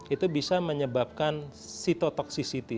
itu bisa menyebabkan sitotoxicity